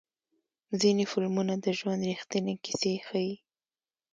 ځینې فلمونه د ژوند ریښتینې کیسې ښیي.